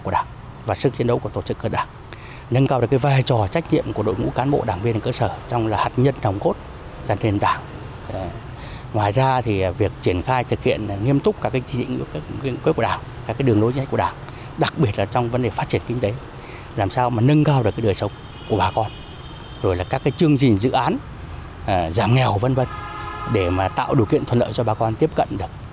rồi là các chương trình dự án giảm nghèo v v để tạo đủ kiện thuận lợi cho bà con tiếp cận được